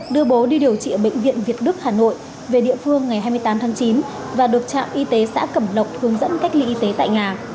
đưa bố đi điều trị ở bệnh viện việt đức hà nội về địa phương ngày hai mươi tám tháng chín và được trạm y tế xã cẩm lộc hướng dẫn cách ly y tế tại nhà